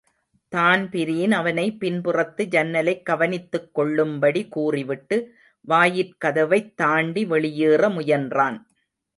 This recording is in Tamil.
தான்பிரீன் அவனை பின் புறத்து ஜன்னலைக் கவனித்துக் கொள்ளும்படி கூறிவிட்டு வாயிற்கதவைத் தாண்டி வெளியேற முயன்றான்.